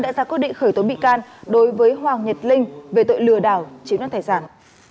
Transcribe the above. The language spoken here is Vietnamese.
đã ra quyết định khởi tố bị can đối với hoàng nhật linh về tội lừa đảo chiếm đoạt tài sản